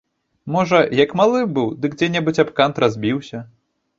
Можа, як малым быў, дык дзе-небудзь аб кант разбіўся?